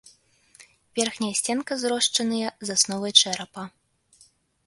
Верхняя сценка зрошчаныя з асновай чэрапа.